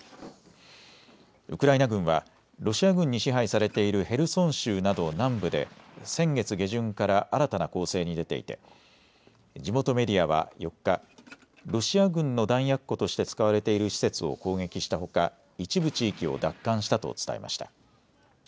ウクライナ軍はロシア軍に支配されているヘルソン州など南部で先月下旬から新たな攻勢に出ていて地元メディアは４日、ロシア軍の弾薬庫として使われている施設を攻撃したほか、一部地域を奪還したと伝えました。